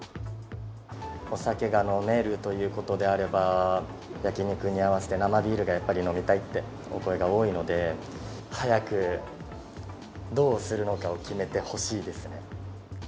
お酒が飲めるということであれば、焼き肉に合わせて生ビールがやっぱり飲みたいってお声が多いので、早く、どうするのかを決めてほしいですね。